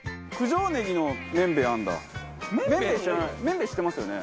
めんべいめんべい知ってますよね？